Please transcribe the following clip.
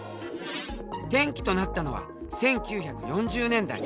転機となったのは１９４０年代。